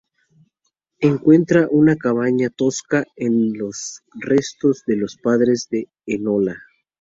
Encuentran una cabaña tosca con los restos de los padres de Enola.